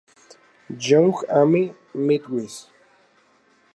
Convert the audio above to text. Young y Amy Matthews.